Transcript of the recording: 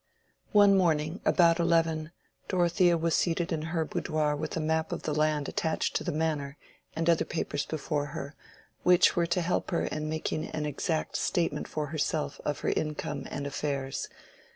One morning, about eleven, Dorothea was seated in her boudoir with a map of the land attached to the manor and other papers before her, which were to help her in making an exact statement for herself of her income and affairs.